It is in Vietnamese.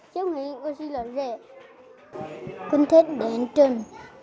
con thích đến trường